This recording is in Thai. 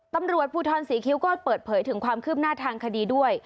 ตำรวจภูทรศรีคิ้วก็เปิดเผยถึงความคืบหน้าทางคดีด้วย